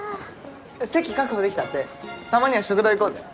席確保できたってたまには食堂行こうぜ。